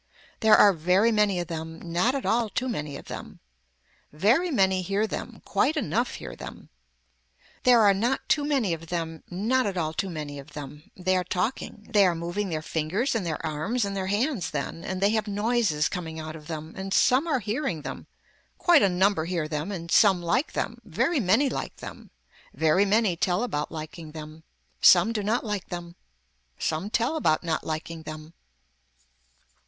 There are very many of them, not at all too many of them. Very many hear them, quite enough hear them. There are not too many of them not at all too many of them, they are talking, they are moving their fingers and their arms and their hands then and they have noises coming out of them and some are hearing them, quite a number hear them and some like them, very many like them, very many tell about liking them, some do not like them, some tell about not liking them.